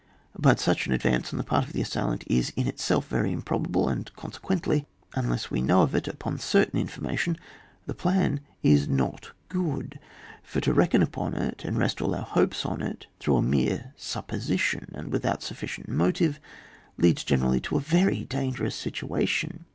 But such an advance on the part of the assailant is in itself very improbable, and consequently, unless we know of it upon certain information, the plan is not g^od ; for to reckon upon it, and rest all our hopes on it through a mere supposition, and without sufficient motive, leads gene rally to a very dangerous situation.